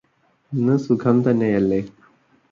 ഇന്ന് സുഖം തന്നെയല്ലേ